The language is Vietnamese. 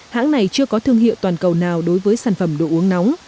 hãng này chưa có thương hiệu toàn cầu nào đối với sản phẩm đồ uống nóng